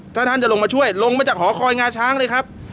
ถ้าท่านจะลงมาช่วยลงมาจากหอคอยงาช้างเลยครับ